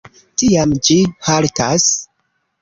Tiam ĝi haltas.